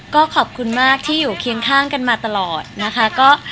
ก็ขอบคุณมากที่อยู่เคียงข้างกันมาตลอดนะคะ